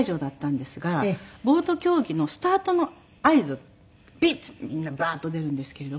ボート競技のスタートの合図ピッ！っていってみんなバーッと出るんですけれども。